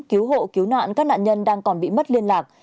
cứu hộ cứu nạn các nạn nhân đang còn bị mất liên lạc